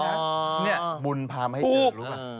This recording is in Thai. เนี่ยบุญพาไม่ให้เจอกันรึเปล่า